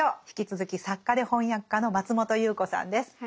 引き続き作家で翻訳家の松本侑子さんです。